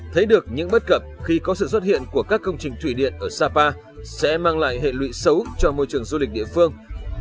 thấy được những bất cập khi có sự xuất hiện của các công trình thủy điện ở sapa sẽ mang lại hệ lụy xấu cho môi trường du lịch địa phương